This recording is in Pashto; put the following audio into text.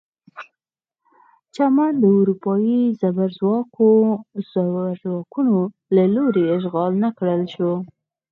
چین د اروپايي زبرځواکونو له لوري اشغال نه کړل شو.